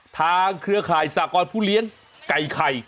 เครือข่ายสากรผู้เลี้ยงไก่ไข่